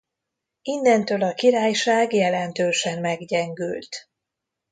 Innentől a királyság jelentősen meggyengült.